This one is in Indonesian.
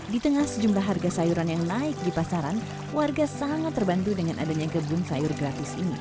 di tengah sejumlah harga sayuran yang naik di pasaran warga sangat terbantu dengan adanya kebun sayur gratis ini